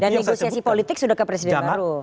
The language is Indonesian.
dan negosiasi politik sudah ke presiden baru